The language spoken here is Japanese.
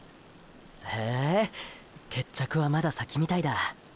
へぇー決着はまだ先みたいだ。